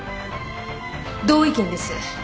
同意見です。